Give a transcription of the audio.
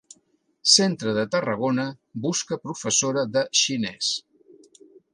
Centre de Tarragona busca professora de xinès.